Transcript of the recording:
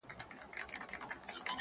چي كرلې يې لمبې پر ګرګينانو!